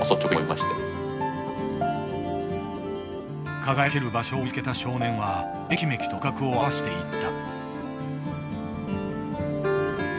輝ける場所を見つけた少年はめきめきと頭角を現していった。